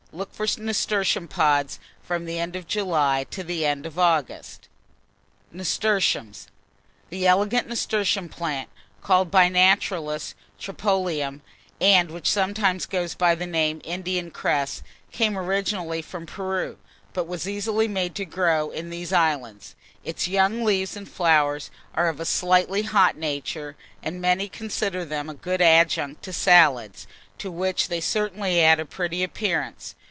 Look for nasturtium pods from the end of July to the end of August. [Illustration: NASTURTIUMS.] NASTURTIUMS. The elegant nasturtium plant, called by naturalists Tropoeolum, and which sometimes goes by the name of Indian cress, came originally from Peru, but was easily made to grow in these islands. Its young leaves and flowers are of a slightly hot nature, and many consider them a good adjunct to salads, to which they certainly add a pretty appearance.